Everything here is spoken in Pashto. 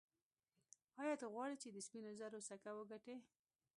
ایا ته غواړې چې د سپینو زرو سکه وګټې.